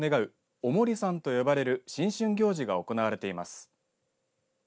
お守りさんと呼ばれる新春行事が行われています。